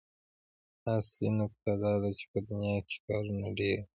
اصلي نکته دا ده چې په دنيا کې کارونه ډېر دي.